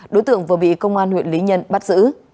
đối tượng vừa bị công an huyện lý nhân bắt giữ